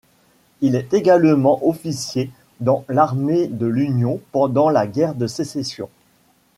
Il est également officier dans l'armée de l'Union pendant la guerre de Sécession.